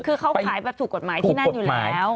คือเขาขายแบบถูกกฎหมายที่นั่นอยู่แล้ว